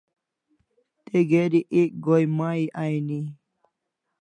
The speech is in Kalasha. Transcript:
Te geri ek goi mai aini